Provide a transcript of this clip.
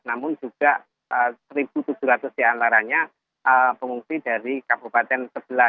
namun juga satu tujuh ratus diantaranya pengungsi dari kabupaten sebelah